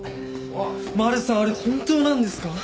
まるさんあれ本当なんですか？